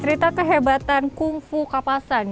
cerita kehebatan kungfu kapasan